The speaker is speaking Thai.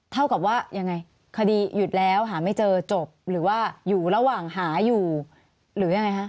เท่ากับว่ายังไงคดีหยุดแล้วหาไม่เจอจบหรือว่าอยู่ระหว่างหาอยู่หรือยังไงคะ